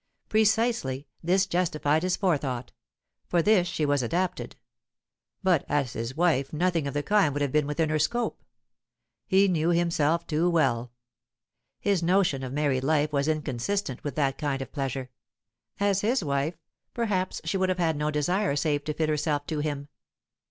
Precisely; this justified his forethought; for this she was adapted. But as his wife nothing of the kind would have been within her scope. He knew him self too well. His notion of married life was inconsistent with that kind of pleasure. As his wife, perhaps she would have had no desire save to fit herself to him.